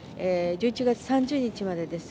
１１月３０日までです。